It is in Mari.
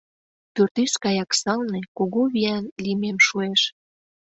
Пӱртӱс гаяк сылне, кугу виян лиймем шуэш…